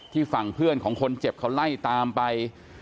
ฝั่งเพื่อนของคนเจ็บเขาไล่ตามไป